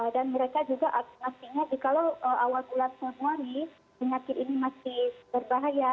dan mereka juga pastinya kalau awal bulan januari penyakit ini masih berbahaya